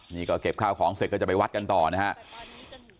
นี่ก็เก็บข้าวของเสร็จก็จะไปวัดกันต่อนะครับ